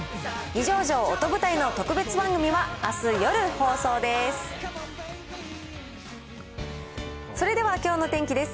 二条城音舞台の特別番組はあす夜放送です。